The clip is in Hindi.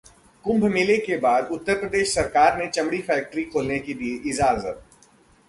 कुंभ मेले के बाद उत्तर प्रदेश सरकार ने चमड़ा फैक्ट्री खोलने की दी इजाजत